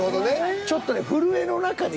ちょっとね